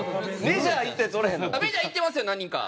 メジャー行ってますよ何人か。